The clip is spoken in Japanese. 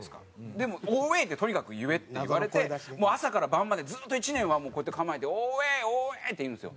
でもオーウェイってとにかく言えって言われてもう朝から晩までずっと１年はこうやって構えてオーウェイオーウェイって言うんですよ。